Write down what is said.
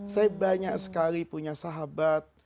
saya banyak sekali punya sahabat